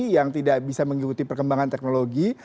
yang tidak bisa mengikuti perkembangan teknologi